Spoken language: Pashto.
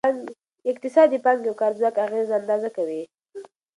اقتصاد د پانګې او کار ځواک اغیزه اندازه کوي.